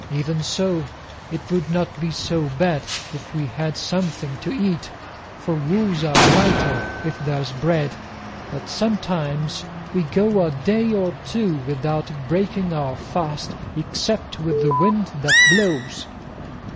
Even so it would not be so bad if we had something to eat, for woes are lighter if there's bread; but sometimes we go a day or two without breaking our fast, except with the wind that blows."